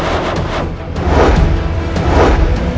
aku mau kesana